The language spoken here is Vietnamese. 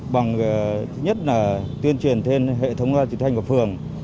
bằng thứ nhất là tuyên truyền thêm hệ thống loa trị thanh của phường